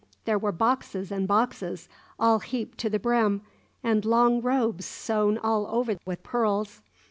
there were boxes and boxes, all heaped to the brim, and long robes sown all over with pearls.